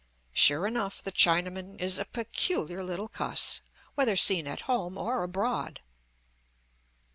Sure enough the Chinaman is "a peculiar little cuss," whether seen at home or abroad.